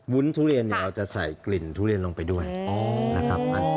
มันก็มีกลิ่นทุเรียนลงไปด้วยนะครับ